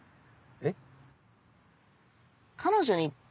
えっ？